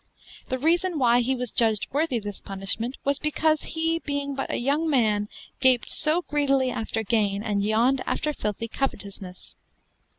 The reason why hee was judged worthy this punishment was because he being but a young man gaped so gredely after gain and yawned after filthy covetousness.